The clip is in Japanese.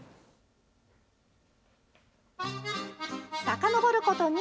さかのぼること